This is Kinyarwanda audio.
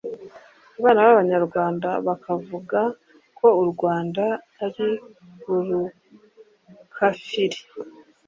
abana b’Abanyarwanda bakavuga ko u Rwanda ari urukafiri